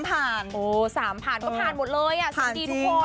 ๓ผ่านก็ผ่านหมดเลยอ่ะสุดที่ทุกคน